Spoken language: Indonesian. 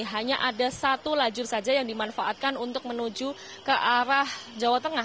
hanya ada satu lajur saja yang dimanfaatkan untuk menuju ke arah jawa tengah